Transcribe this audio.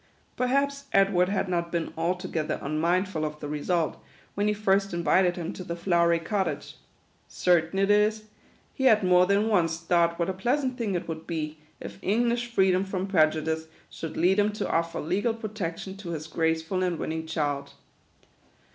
Perhaps Edward had not been altogether unmindful of the result, when he first invited him to the flowery cottage. Certain it is, he had more than once thought what a pleasant thing it would be, if English freedom from prejudice should lead him to offer legal protec tion to his graceful and winning child.